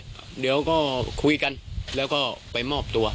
เดี๋ยวก็คุยกันแล้วก็ไปมอบตัว